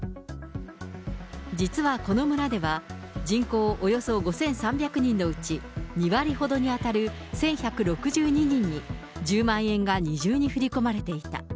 実はこの村では、人口およそ５３００人のうち２割ほどに当たる１１６２人に、１０万円が二重に振り込まれていた。